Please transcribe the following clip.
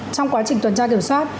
trong quá trình tuần tra kiểm soát